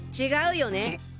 違うよね。